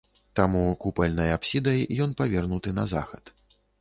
Таму купальнай апсідай ён павернуты на захад.